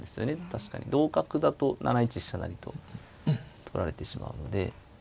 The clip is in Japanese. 確かに同角だと７一飛車成と取られてしまうので。